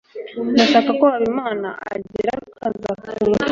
Ndashaka ko Habimana agira akazi akunda.